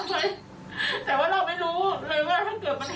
หลอมเขาขับเข้าไปในห้องนอนแล้วเราล้อมกุญแจด้านต่อออกอ่ะ